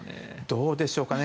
どうでしょうかね。